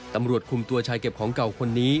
ตำรวจคุมตัวชายเก็บของเก่าคนนี้